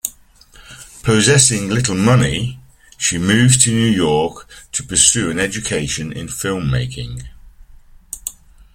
Possessing little money, she moves to New York to pursue an education in filmmaking.